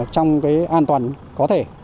trong an toàn có thể